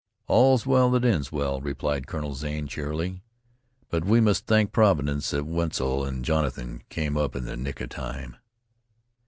"All's well that ends well," replied Colonel Zane cheerily. "But we must thank Providence that Wetzel and Jonathan came up in the nick of time."